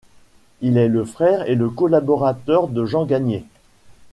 Il est le frère et le collaborateur de Jean Gagné.